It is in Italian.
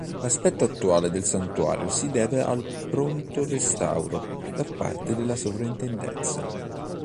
L'aspetto attuale del santuario si deve al pronto restauro da parte della Sovrintendenza.